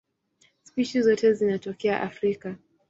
Spishi zote zinatokea Afrika.